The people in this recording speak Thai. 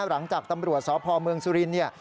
หลังจากตำรวจสอบภอมเมืองสุรินเนี่ย